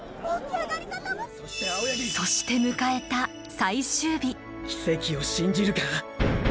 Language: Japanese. そして迎えた奇跡を信じるか？